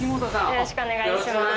よろしくお願いします。